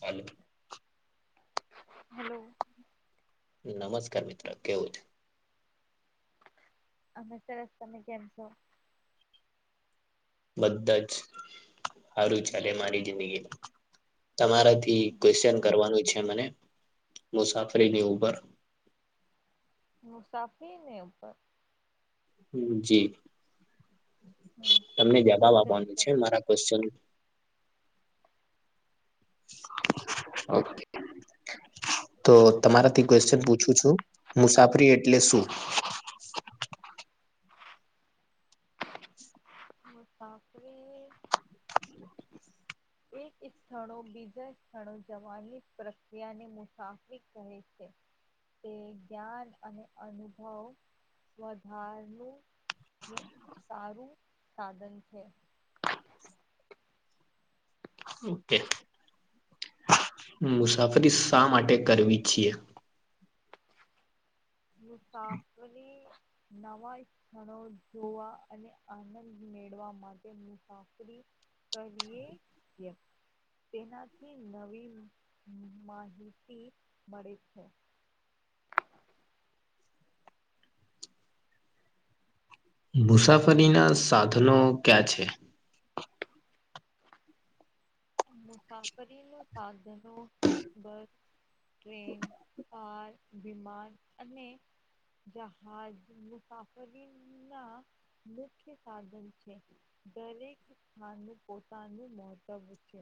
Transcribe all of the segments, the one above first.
હાલો hello નમસ્કાર મિત્રો કેવું છે? અમે સરસ તમે કેમ છો? બધુ જ સારું ચાલે મારી જિંદગીમાં તમારેથી ક્વેશચન કરવાનું છે મને મુસાફરીની ઉપર મુસાફરી ને ઉપર જી હમ તમને શું જવાબ ક્વેશ્ચન આપવાનું છે મારા ક્વેશચન નુ [unintelligible] તો તમારાથી ક્વેશ્ચન પૂછું છું મુસાફરી એટલે શું? મુસાફરી [unintelligible] એક સ્થળો બીજા સ્થળો જવાની પ્રક્રિયાને મુસાફરી કહે છે. તે જ્ઞાન અને અનુભવ વધારાનું સારું સાધન છે. ઓકે મુસાફરી શા માટે કરવી છીએ? મુસાફરી નવા સ્થળો જોવા અને આનંદ મેળવા માટેની ચાકરી કહીએ તેનાથી નવી માહિતી મળે છે. મુસાફરીના સાધનો ક્યાં છે? મુસાફરી નુ સાધનો ટ્રેન કાર વિમાન અને જહાજ મુસાફરી ના મુખ્ય સાધન છે. દરેક સ્થાનનું પોતાનું મહત્વ છે.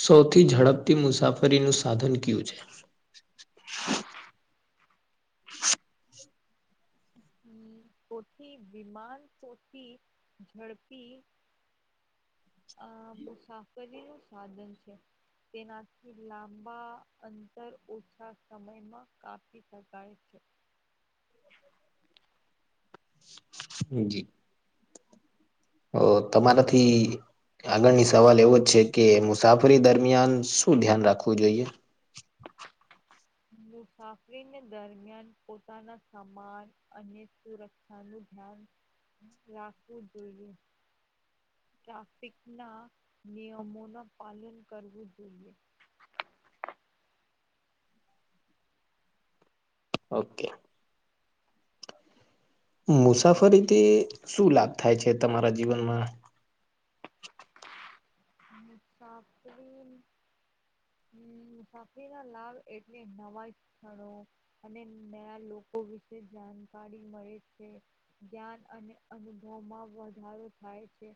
સૌથી ઝડપથી મુસાફરીનું સાધન ક્યુ છે? સૈથી વિમાન સૈથી ઝડપી આ મુસાફરી નું સાધન છે. તેનાથી લાંબા અંતર ઓછા સમયમાં કાપી શકાય છે. હા જી હ તમારાથી આગળની સવાલ એવો જ છે કે મુસાફરી દરમિયાન શું ધ્યાન રાખવું જોઈએ? મુસાફરી દરમિયાન પોતાના સમાન અને સુરક્ષા નુ ધ્યાન રાખવું જોઈએ. ટ્રાફિકના નિયમોનું પાલન કરવું જોઈએ. ઓકે મુસાફરીથી શું લાભ થાય છે તમારા જીવનમાં છાપી હમ મુસાફરી ના લાભ એટલે નવા સ્થળો અને નયા લોકો વિશે જાણકારી મળે છે જ્ઞાન અને અનુભવમાં વધારો થાય છે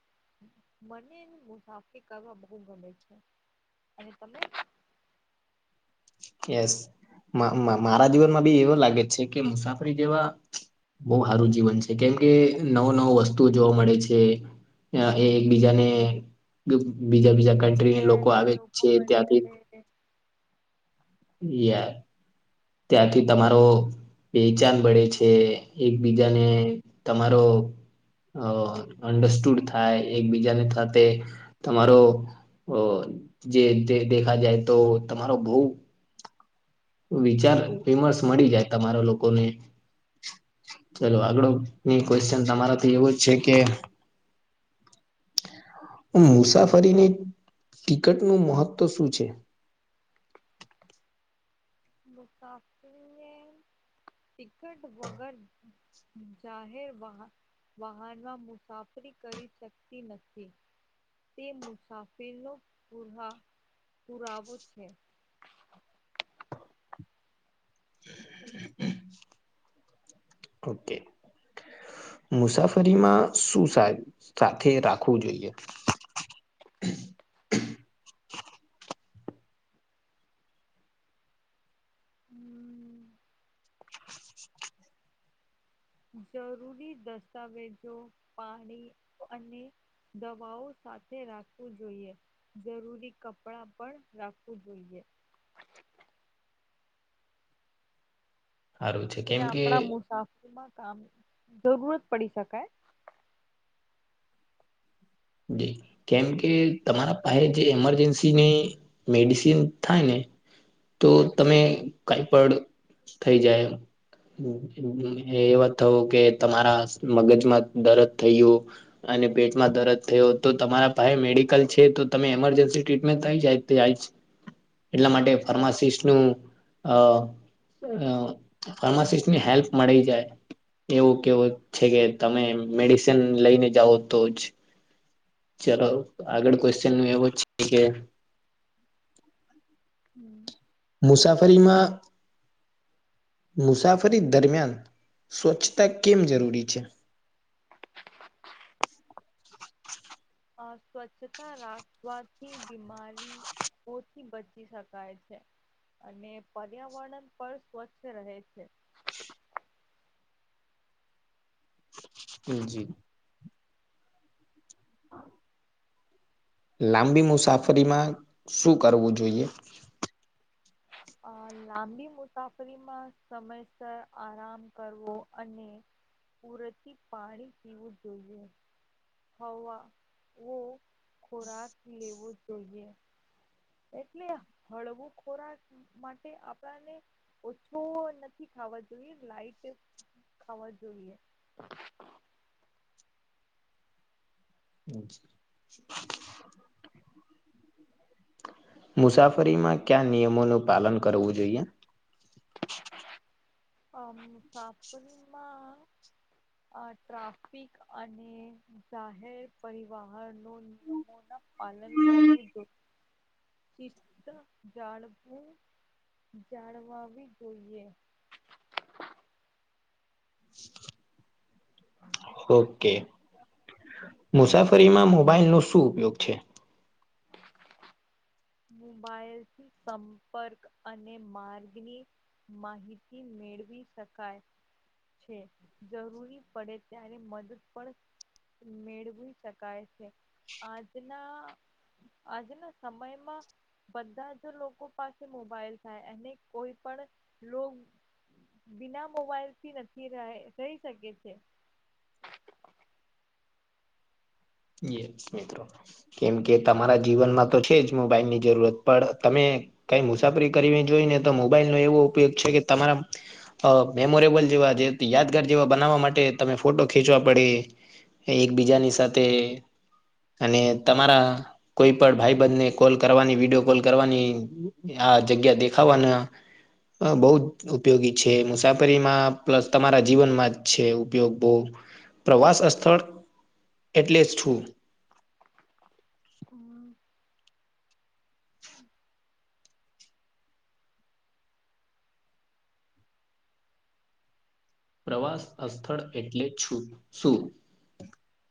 મને મુસાફરી કરવા બહુ ગમે છે અને તમે યસ મારા જીવનમાં બી એવો લાગે છે કે મુસાફરી જેવા બહુ સારું જીવન છે કેમ કે નવ નવ વસ્તુઓ જોવા મળે છે એ એકબીજાને બીજા બીજા કન્ટ્રીને નયા લોકો નયા આવે લોકો છે મળે ત્યાંથી છે. યાર ત્યાંથી તમારો પેચાન મળળે છે એકબીજાને તમારો અ અંડરસ્ટુડ થાય એકબીજાને સાથે તમારો જે દેખા જાય તો તમારો બહ વિચાર વિમર્શ મળી જાય તમારા લોકોને ચલો આગળ ની ક્વેશ્ચન તમારાથી એવું જ છે કે મુસાફરીની ટિકટ નું મહત્વ શું છે. મુકાફએ ટિકટ વગર જાહેર વાહ વાહન માં મુસાફરી કરી શકતી નથી તે મુસાફિરનો પુરા પુરાવો છે ઓકે મુસાફરીમાં શું સાથે રાખવું જોઈએ હમ જરૂરી દસ્તાવેજો પાણી અને દવાઓ સાથે રાખવું જોઈએ જરૂરી કપડા પણ રાખવું જોઈએ સારું છે તે કેમ કે આપણા મુસાફરીમાં કામ જરૂરત પડી શકાય જ કેમ કે તમારા પાસે જે મરજન્સીની મેડિસિન થાય ને તો તમે કઈ પણ થઈ જાય એવા થવું કે તમારા મગજમાં દરદ થય ગું અને ભેટમાં દરજ થયો તો તમારા પાસે મેડિકલ છે તો તમે એમરજન્સી ટ્રીટમેન્ટ થઈ જાયાય એટલા માટે ફાર્માસિસ નું અ અ ફાર્માસિસ્ટની હેલ્પ મળી જાય એવું કેવ છે કે તમે મેડિસન લઈને જાઓ તો જ ચલો આગળ ક્વેશ્ચન નું એવું છે કે હમ મુસાફરીમાં મુસાફરી દરમિયાન સ્વચ્છતા કેમ જરૂરી છે આ સ્વચ્છતા રાખવાથી બીમારી ઓથી બચી શકાય છે અને પર્યાવરણ પણ સ્વચ્છ રહે છે હ જી હ લાંબી મુસાફરીમાં શું કરવું જોઈએ અ લાંબી મુસાફરીમાં સમયસર આરામ કરવો અને પૂરથી પાણી પીવું જોઈએ હવાવો ખોરાક લેવો જોઈએ એટલે હળવું ખોરાક માટે આપને ઓછો નથી ખાવા જોઈએ લાઈટ હોવો જોઈએ [inaudible] મુસાફરીમાં ક્યા નિયમોનું પાલન કરવું જોઈએ. અમ સાપડીમાં આ ટ્રાફિક અને જાહેર પરિવાહન નો નિયમોના પાલન કરવું જો સિસ્થ જાળવું જાળવાવી જોઈએ હા ઓકે મુસાફરીમાં મોબાઈલ નો શું ઉપયોગ છે મોબાઈલ થી સંપર્ક અને માર્ગની માહિત મેળવી શકાય છે જરૂરી પડે ત્યારે મદદ પણ મેળવી શકાય છે આજના આજના સમય માં બધા જ લોકો પાસે મોબાઈલ થાય એને કોઈ પણ લોગ બીના મોબાઈલ થી નથી રાહ રહી શકે છે યસ મિત્રો કેમ કે તમારા જીવનમાં તો છે જ મોબાઈલની જરૂરત પણ તમે કઈ મુસાફરી કરવી જોઈ ને તો મોબાઈલ નો એવો ઉપયોગ છે કે તમારા અ મેમોરેબલ જેવા જેતી યાદગાર જેવા બનાવવા માટે તમે ફોટો ખીંચવા પડીે એકબીજાની સાથે અને તમારા કોઈ પણ ભાઈ બંધને કોલ કરવાની વિડીયો કોલ કરવાની આ જગ્યા દેખાવાના હ બહુ જ ઉપયોગી છે મુસાફરીમાં પ્લસ તમારા જીવનમાં જ છે ઉપયોગ બહુ પ્રવાસ અ સ્થળ એટલે જ છું હમ પ્રવાસ અ સ્થળ એટલે છું શું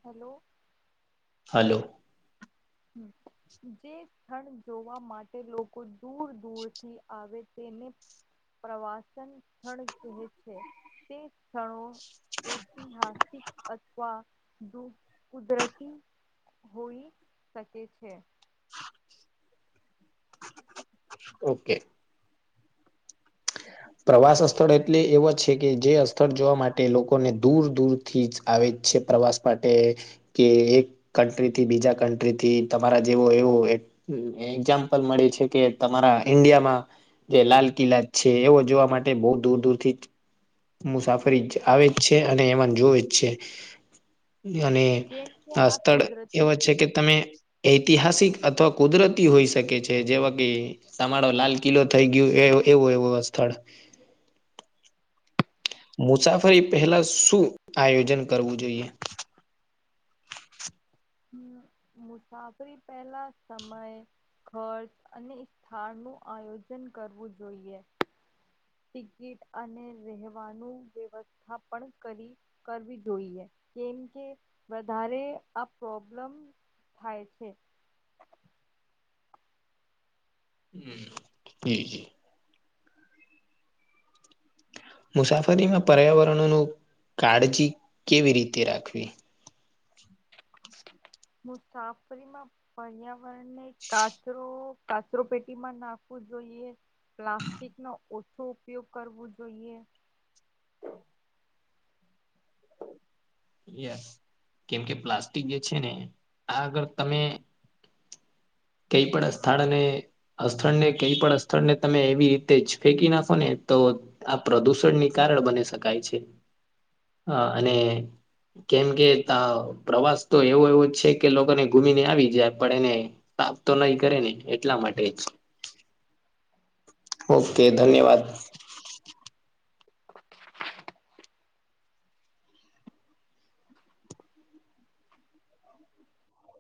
હલો હલો હમ જે થડ જોવા માટે લોકો કોઈક દૂર દૂરથી આવે તેને પ્રવાસન સ્થળ કહે છે તે સ્થળો ઐતિહાસિક અથવા દુ કુદરતી હોઈ શકે છે ઓકે હ પ્રવાસ સ્થળ એટલે એવો છે કે જે સ્થળ જોવા માટે લોકોને દૂર દૂર થીજ આવે છે પ્રવાસ માટે કે એક કન્ટ્રીથી બીજા કન્ટ્રીથી તમારા જેવો એવું એક હમ એક્ઝામ્પલ મળે છે કે તમારા ઈન્ડિયામાં જે લાલ કિલ્લા છે એવો જોવા માટે બહુ દૂર દૂર થીજ મુસાફરી જ આવે જ છે અને એવાન જોવે જ છે અને કેમ કે આ સ્થળ એવ કુદરતી છે કે તમે ઐતિહાસિક અથવા કુદરતી હોઈ શકે છે જેવા કે સમાળો લાલ કિલ્લો થઈ ગયો એ એવો એવો સ્થળ મુસાફરી પહેલા શું આયોજન કરવું જોઈએ હમ મુસાફરી પહેલા સમય ખર્ચ અને એ સ્થાન નું આયોજન કરવું જોઈએ ટિકિટ અને રહેવાનું વ્યવસ્થા પણ કરી કરવી જોઈએ કેમ કે વધારે આ પ્રોબ્લમ થાય છે હ જી જી મુસાફરીમાં પર્યાવરણનું કાળજી કેવી રીતે રાખવી હું સાફ કરી મા પર્યાવરણ ને કાચરો કાચરો પેટી માં નાખવું જોઈએ પ્લાસ્ટિકનો ઓછો ઉપયોગ કરવો જોઈએ યસ કેમ કે પ્લાસ્ટિક જે છે ને આ આગળ તમે કઈ પણ સ્થળને અસ્થળ ને કઈ પણ અસ્થળને તમે એવી રીતે જ ફેંકી નાખો ને તો આ પ્રદૂષણની કારણ બની શકાય છે, હ, અને કેમ કે ત પ્રવાસ તો એવો એવો છે કે લોકોને ઘુમને આવી જાય, પણ એને તપ તો નહીં કરે ને, એટલા માટે જ. ઓકે, ધન્યવાદ.